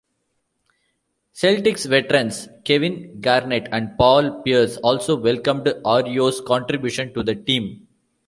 Celtics veterans Kevin Garnett and Paul Pierce also welcomed Arroyo's contribution to the team.